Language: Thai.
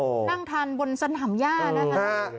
นั่งทานบนสน่ำย่านะครับ